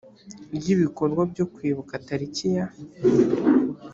ry ibikorwa byo kwibuka tariki ya